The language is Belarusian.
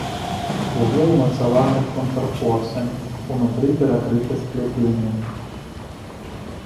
Вуглы ўмацаваны контрфорсамі, унутры перакрыта скляпеннем.